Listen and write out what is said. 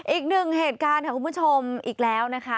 อีกหนึ่งเหตุการณ์ค่ะคุณผู้ชมอีกแล้วนะคะ